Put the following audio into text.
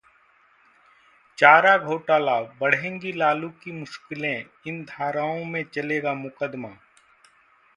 चारा घोटाला: बढ़ेंगी लालू की मुश्किलें, इन धाराओं में चलेगा मुकदमा